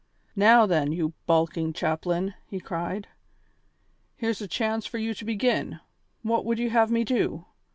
"Now then, you balking chaplain," he cried, "here's a chance for you to begin. What would you have me do?